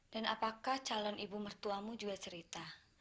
dan apakah calon ibu mertuamu juga cerita